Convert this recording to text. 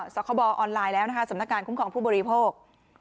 สคบออนไลน์แล้วนะคะสำนักการคุ้มครองผู้บริโภค